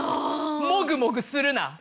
もぐもぐするな！